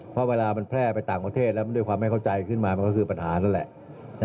เพราะเวลามันแพร่ไปต่างประเทศแล้วด้วยความไม่เข้าใจขึ้นมามันก็คือปัญหานั่นแหละ